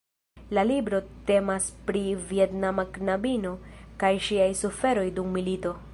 La libro temas pri vjetnama knabino kaj ŝiaj suferoj dum milito.